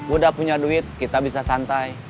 udah punya duit kita bisa santai